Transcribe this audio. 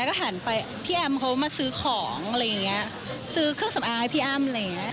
แล้วก็หันไปพี่แอมเขามาซื้อของอะไรอย่างเงี้ยซื้อเครื่องสำอางให้พี่อ้ำอะไรอย่างเงี้ย